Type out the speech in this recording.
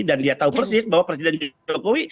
dan dia tahu persis bahwa presiden jokowi